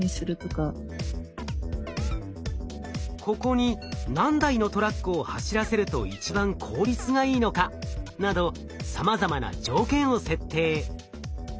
ここに何台のトラックを走らせると一番効率がいいのかなどさまざまな条件を設定。